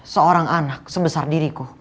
seorang anak sebesar diriku